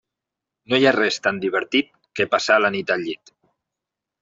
No hi ha res tan divertit que passar la nit al llit.